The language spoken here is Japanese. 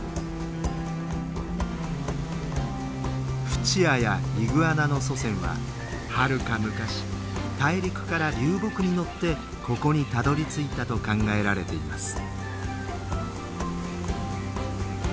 フチアやイグアナの祖先ははるか昔大陸から流木に乗ってここにたどりついたと考えられています。